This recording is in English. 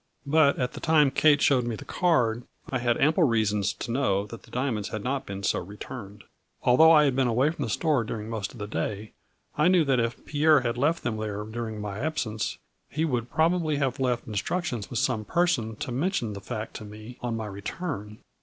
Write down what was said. But at the time Kate showed me the card, I had ample reasons to know that the diamonds had not been so returned. Al though I had been away from the store during most of the day, I knew that if Pierre had left them there during my absence he would prob ably have left instructions with some person to mention the fact to me, on my return.